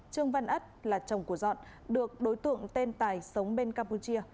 trương văn ất là chồng của dọn được đối tượng tên tài sống bên campuchia